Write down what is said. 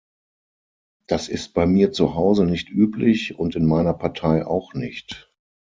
Das ist bei mir zu Hause nicht üblich und in meiner Partei auch nicht!